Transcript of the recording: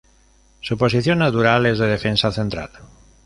Su posición natural es defensa central.